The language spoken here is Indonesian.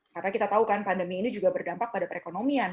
karena kita tahu kan pandemi ini juga berdampak pada perekonomian